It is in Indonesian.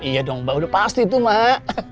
iya dong mbak udah pasti tuh mbak